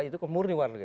itu kemurni warga